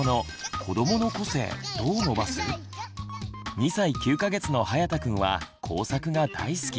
２歳９か月のはやたくんは工作が大好き。